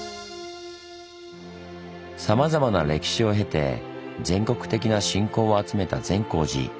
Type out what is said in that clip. さまざまな歴史を経て全国的な信仰を集めた善光寺。